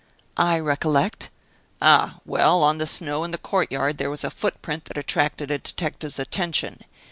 "I recollect." "Ah! well, on the snow in the courtyard there was a footprint that attracted a detective's attention.